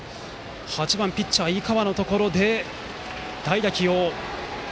８番ピッチャー、井川のところで代打起用。